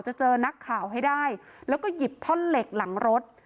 จะเจอนักข่าวให้ได้แล้วก็หยิบท่อนเหล็กหลังรถ